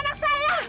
keluar kamu penculik